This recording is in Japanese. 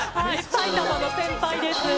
埼玉の先輩です。